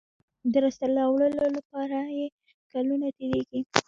د لاسته راوړلو لپاره یې کلونه تېرېږي.